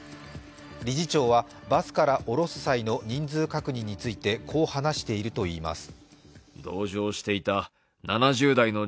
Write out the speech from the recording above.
理事長はバスから降ろす際の人数確認についてこう話しているといいます。